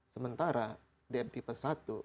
sementara dmt pesatu